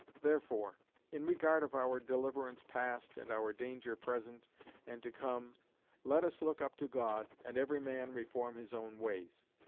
Therefore in regard of our deliverance past, and our danger present, and to come, let us look up to God, and every man reform his own ways.